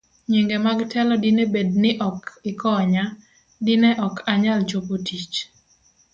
B. Nyinge mag telo Dine bed ni ok ikonya, dine ok anyal chopo tich